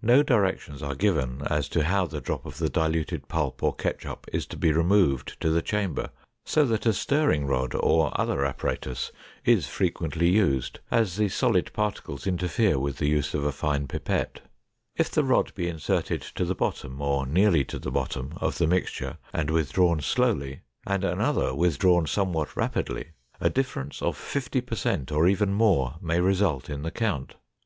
No directions are given as to how the drop of the diluted pulp or ketchup is to be removed to the chamber, so that a stirring rod or other apparatus is frequently used, as the solid particles interfere with the use of a fine pipette. If the rod be inserted to the bottom, or nearly to the bottom of the mixture and withdrawn slowly and another withdrawn somewhat rapidly, a difference of fifty per cent or even more may result in the count.